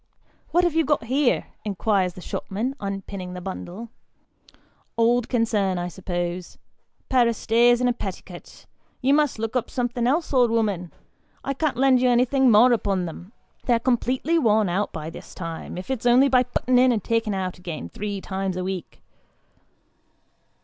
" What have you got here ?" inquires the shopman, unpinning the bundle " old concern, I suppose pair o' stays and a petticut. You must look up somethin' else, old 'ooman ; I can't lend you anything more upon them ; they're completely worn out by this time, if it's only by putting in, and taking out again, three times a week."